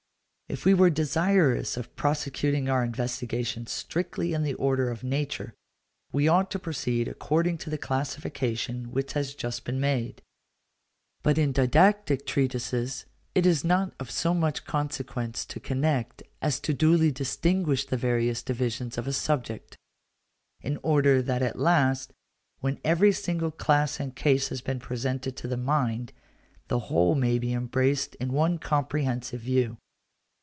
If we were desirous of prosecuting our investigation strictly in the order of nature, we ought to proceed according to the classification which has just been made; but in didactic treatises it is not of so much consequence to connect as to duly distinguish the various divisions of a subject, in order that at last, when every single class and case has been presented to the mind, the whole may be embraced in one comprehensive view.